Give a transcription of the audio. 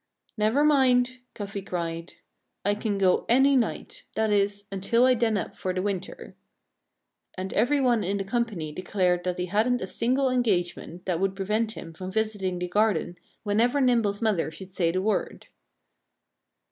"Never mind!" Cuffy cried. "I can go any night that is, until I den up for the winter." And every one in the company declared that he hadn't a single engagement that would prevent him from visiting the garden whenever Nimble's mother should say the word.